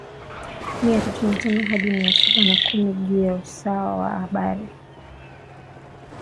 mia tatu na tano hadi mia saba na kumi juu ya usawa wa bahari